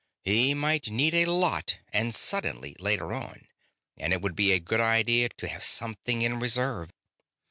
He might need a lot, and suddenly, later on, and it would be a good idea to have something in reserve.